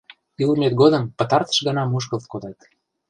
Илымет годым пытартыш гана мушкылт кодат.